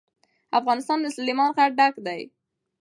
افغانستان له سلیمان غر ډک دی.